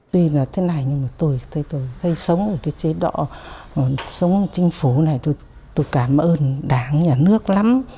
tuy là thế này nhưng mà tôi tôi tôi tôi sống ở cái chế độ sống ở chính phủ này tôi cảm ơn đảng nhà nước lắm